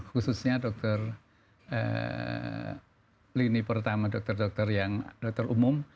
khususnya dokter lini pertama dokter dokter yang dokter umum